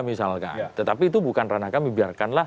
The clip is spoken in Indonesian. misalkan tetapi itu bukan ranah kami biarkanlah